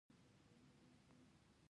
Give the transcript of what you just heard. ټولو تولیدونکو ښه او غوره وسایل نه درلودل.